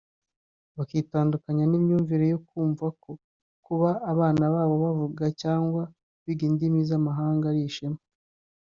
bakitandukanya n’imyumvire yo kumva ko kuba abana babo bavuga cyangwa biga indimi z’amahanga ari ishema